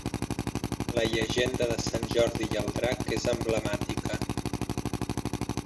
La Llegenda de Sant Jordi i el Drac és emblemàtica.